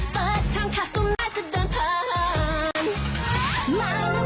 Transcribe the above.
ตาเบี้ย